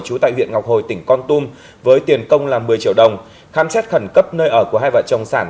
trú tại huyện ngọc hồi tỉnh con tum với tiền công là một mươi triệu đồng khám xét khẩn cấp nơi ở của hai vợ chồng sản